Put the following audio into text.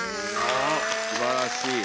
すばらしい。